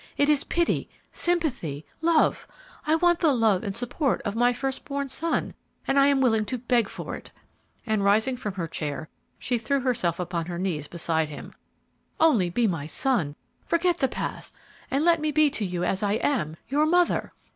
It is pity, sympathy, love! I want the love and support of my first born son, and I am willing to beg for it," and, rising from her chair, she threw herself upon her knees beside him, "only be my son, forget the past and let me be to you, as I am, your mother!